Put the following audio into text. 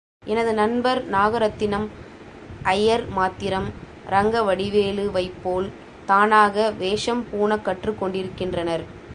எனது நண்பர் நாகரத்தினம் ஐயர் மாத்திரம், ரங்கவடிவேலுவைப்போல் தானாக வேஷம் பூணக் கற்றுக்கெண்டிருக்கின்றனர்.